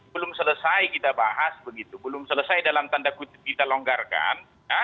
belum selesai kita bahas begitu belum selesai dalam tanda kutip kita longgarkan